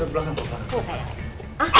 yaudah yuk jalan jalan